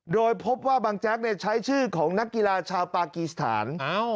โดยพบว่าบางแจ๊กใช้ชื่อของนักกีฬาชาวปากีสถาน